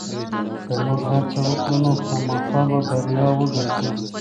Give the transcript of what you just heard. که موږ هڅه وکړو نو خامخا به بریا وګټو.